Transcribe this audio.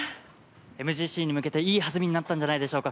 ＭＧＣに向けていい弾みになったんじゃないでしょうか。